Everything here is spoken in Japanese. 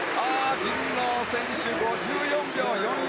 神野選手、５４秒４４。